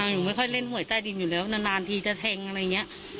หนูไม่ค่อยเล่นหวยใต้ดินอยู่แล้วนานทีจะแทงอะไรอย่างนี้